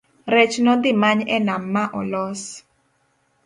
rech nodhimany e nam ma olos